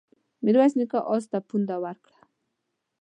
ميرويس نيکه آس ته پونده ورکړه.